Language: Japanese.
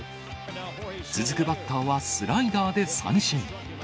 続くバッターはスライダーで三振。